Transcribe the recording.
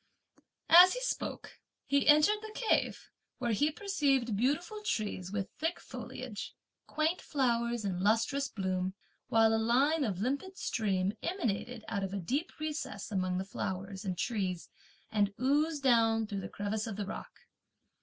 As he spoke, he entered the cave, where he perceived beautiful trees with thick foliage, quaint flowers in lustrous bloom, while a line of limpid stream emanated out of a deep recess among the flowers and trees, and oozed down through the crevice of the rock.